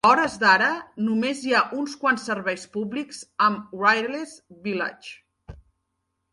A hores d'ara, només hi ha uns quants serveis públics amb Wireless Village.